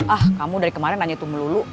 ah kamu dari kemarin nanya tuh melulu